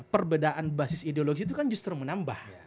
perbedaan basis ideologi itu kan justru menambah